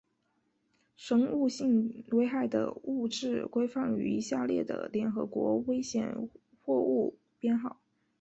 生物性危害的物质规范于下列的联合国危险货物编号